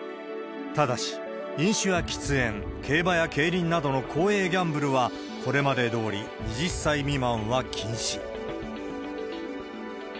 ただし、飲酒や喫煙、競馬や競輪などの公営ギャンブルは、これまでどおり２０歳未満は禁止。